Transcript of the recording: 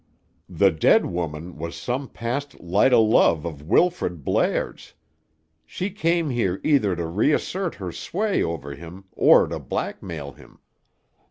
The dead woman was some past light o' love of Wilfrid Blair's. She came here either to reassert her sway over him or to blackmail him.